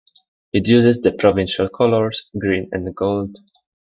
It uses the provincial colours, green and gold.